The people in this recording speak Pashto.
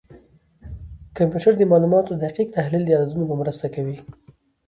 کمپیوټر د معلوماتو دقیق تحلیل د عددونو په مرسته کوي.